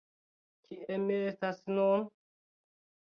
Kie mi estas nun?